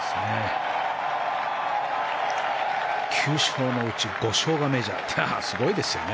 ９勝のうち５勝がメジャーってすごいですよね。